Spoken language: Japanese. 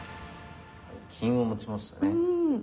金を持ちましたね。